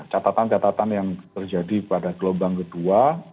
catatan catatan yang terjadi pada gelombang kedua